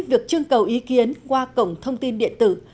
về việc trương cầu ý kiến qua cổng thông tin điện tử